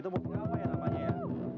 harga menyesali itu apa ya namanya ya